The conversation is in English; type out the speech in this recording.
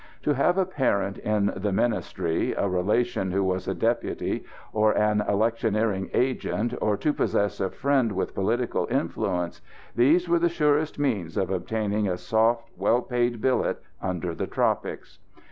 To have a parent in the Ministry, a relation who was a deputy, or an electioneering agent, or to possess a friend with political influence these were the surest means of obtaining a soft, well paid billet under the tropics.